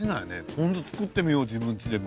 ポン酢作ってみよう自分ちでも。